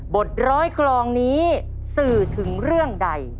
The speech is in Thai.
ร้อยคลองนี้สื่อถึงเรื่องใด